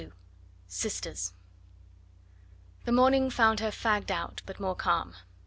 SISTERS The morning found her fagged out, but more calm.